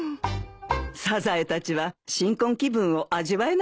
サザエたちは新婚気分を味わえなかったようですね。